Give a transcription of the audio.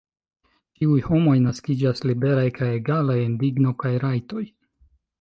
Ĉiuj homoj naskiĝas liberaj kaj egalaj en digno kaj rajtoj.